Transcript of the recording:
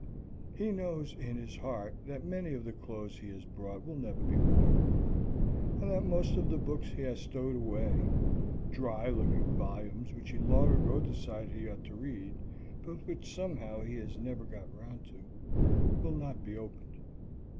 He knows in his heart that many of the clothes he has brought will never be worn, and that most of the books he has stowed away dry looking volumes which he long ago decided he ought to read but which somehow he has never got 'round to will not be opened.